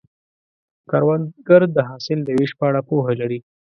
کروندګر د حاصل د ویش په اړه پوهه لري